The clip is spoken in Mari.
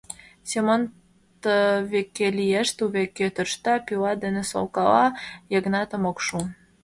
Семон тывеке лиеш, тувеке тӧршта, пила дене солкала — Йыгнатым ок шу.